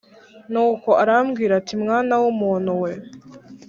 Nuko arambwira ati mwana w umuntu we